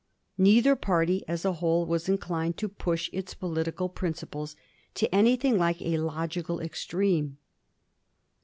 Neither party as a whole was inclined to push its political prin ciples to anything like a logical extreme.